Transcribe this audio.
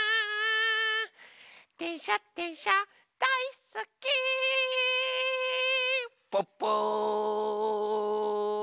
「でんしゃでんしゃだいすっき」プップー！